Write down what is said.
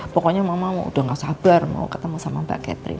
pokoknya mama udah gak sabar mau ketemu sama mbak catherine